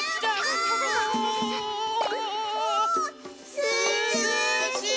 すずしい！